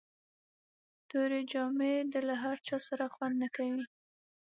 توري جامي د له هر چا سره خوند نه کوي.